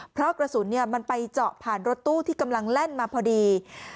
เพราะกระสุนมันไปเจาะผ่านรถตู้ที่กำลังแล่นมาพอดี